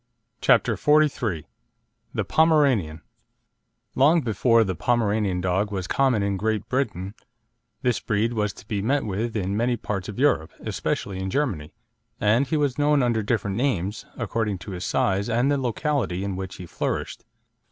CHAPTER XLIII THE POMERANIAN Long before the Pomeranian dog was common in Great Britain, this breed was to be met with in many parts of Europe, especially in Germany; and he was known under different names, according to his size and the locality in which he flourished.